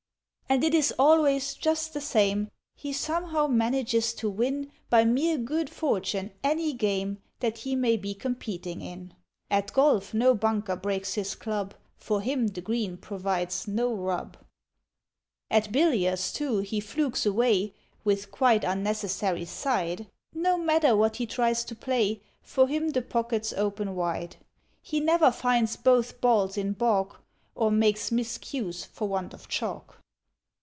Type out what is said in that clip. And it is always just the same; He somehow manages to win, By mere good fortune, any game That he may be competing in. At Golf no bunker breaks his club, For him the green provides no "rub." At Billiards, too, he flukes away (With quite unnecessary "side"); No matter what he tries to play, For him the pockets open wide; He never finds both balls in baulk, Or makes miss cues for want of chalk.